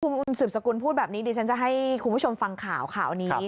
คุณสืบสกุลพูดแบบนี้ดิฉันจะให้คุณผู้ชมฟังข่าวข่าวนี้